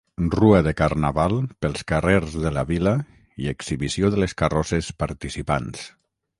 Rua de carnaval pels carrers de la vila i exhibició de les carrosses participants.